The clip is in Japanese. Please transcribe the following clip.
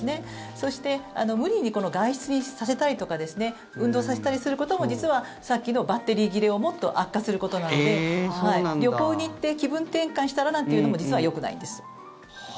そして、無理に外出させたりとか運動させたりすることも実は、さっきのバッテリー切れをもっと悪化することなので旅行に行って気分転換したら？なんていうのも実はよくないんです。